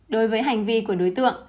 đối với hành vi của đối tượng